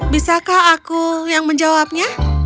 bisakah aku yang menjawabnya